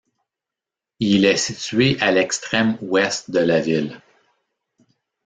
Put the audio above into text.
Il est situé à l’extrême ouest de la ville.